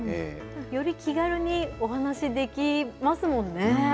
より気軽にお話できますもんね。